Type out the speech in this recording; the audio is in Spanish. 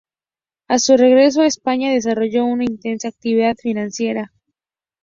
A su regreso a España desarrolló una intensa actividad financiera.